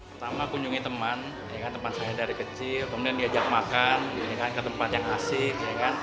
pertama kunjungi teman teman saya dari kecil kemudian diajak makan ke tempat yang asik